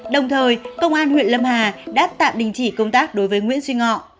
đồng thời công an huyện lâm hà đã tạm đình chỉ công tác đối với nguyễn duy ngọ